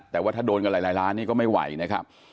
แต่ว่าถ้าโดนกันหลายล้านนี่ก็ไม่ไหวนะครับ